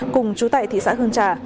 cùng chú tại thị xã hương trà